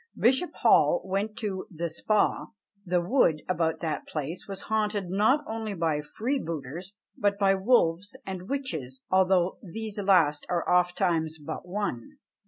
Bishop Hall went to "the Spa." The wood about that place was haunted not only by "freebooters, but by wolves and witches; although these last are ofttimes but one."